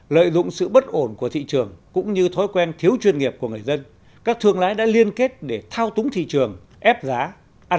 lợi dụng sự bất ổn của thị trường cũng như thói quen thiếu chuyên nghiệp của người dân các thương lái đã liên kết để thao túng thị trường ép giá ăn tranh lệch lớn